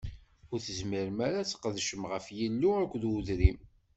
Ur tezmirem ara ad tqedcem ɣef Yillu akked udrim.